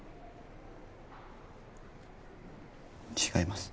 違います。